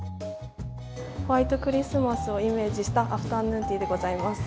ホワイトクリスマスをイメージしたアフタヌーンティーでございます。